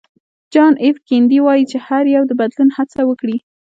جان اېف کېنیډي وایي هر یو د بدلون هڅه وکړي.